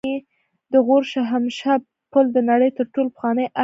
د غور شاهمشه پل د نړۍ تر ټولو پخوانی آرک پل دی